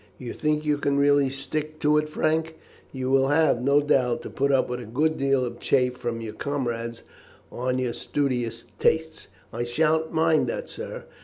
You think you can really stick to it, Frank? You will have, no doubt, to put up with a good deal of chaff from your comrades on your studious tastes." "I sha'n't mind that, sir.